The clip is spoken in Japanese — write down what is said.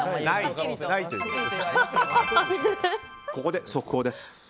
ここで速報です。